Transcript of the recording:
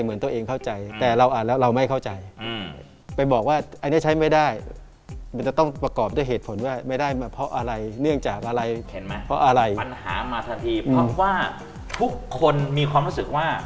มันถามมาทันทีเพราะว่าทุกคนมีความรู้สึกว่า